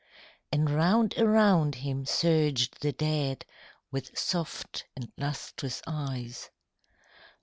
And round around him surged the dead With soft and lustrous eyes.